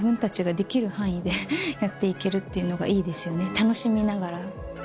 楽しみながら。